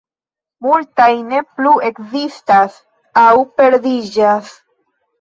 Multaj ne plu ekzistas aŭ perdiĝas.